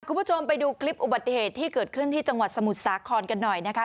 คุณผู้ชมไปดูคลิปอุบัติเหตุที่เกิดขึ้นที่จังหวัดสมุทรสาครกันหน่อยนะคะ